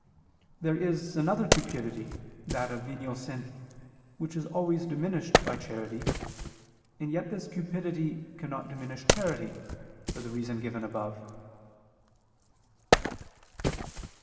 There is another cupidity, that of venial sin, which is always diminished by charity: and yet this cupidity cannot diminish charity, for the reason given above.